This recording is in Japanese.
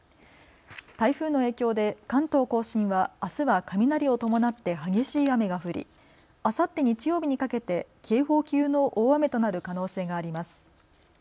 台風の影響で関東甲信はあすは雷を伴って激しい雨が降り、あさって日曜日にかけて警報級の大雨となる可能性があります。